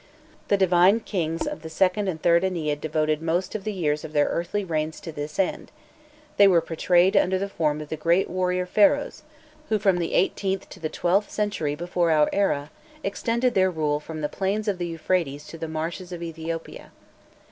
The divine kings of the second and third Ennead devoted most of the years of their earthly reign to this end; they were portrayed under the form of the great warrior Pharaohs, who, from the eighteenth to the twelfth century before our era, extended their rule from the plains of the Euphrates to the marshes of Ethiopia.